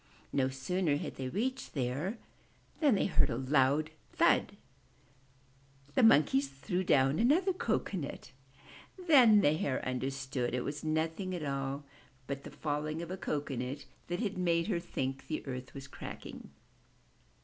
No sooner had they reached there, than they heard a loud thud — the Monkeys threw down another cocoanut! Then the Hare understood it was nothing at all but the fall 72 UP ONE PAIR OF STAIRS ing of a cocoanut that had made her think the earth was cracking.